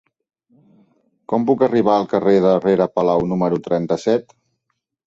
Com puc arribar al carrer de Rere Palau número trenta-set?